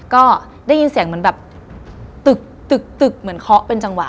ก็ได้ยินเสียงเหมือนแบบตึกตึกเหมือนเคาะเป็นจังหวะ